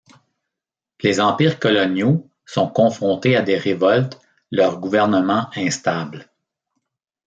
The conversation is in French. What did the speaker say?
Leurs empires coloniaux sont confrontés à des révoltes, leurs gouvernements instables.